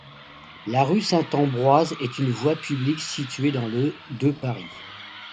La rue Saint-Ambroise est une voie publique située dans le de Paris.